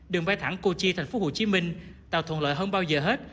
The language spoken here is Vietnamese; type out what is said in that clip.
đường bay thẳng cochi thành phố hồ chí minh tạo thuận lợi hơn bao giờ hết